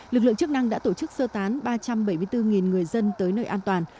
lực lượng chức năng đã tổ chức sơ tán ba trăm bảy mươi bốn người dân tới nơi an toàn